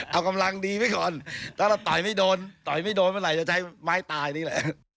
เอากำลังดีไว้ก่อนถ้าเราต่อยไม่โดนต่อยไม่โดนเมื่อไหร่จะใช้ไม้ตายนี่แหละ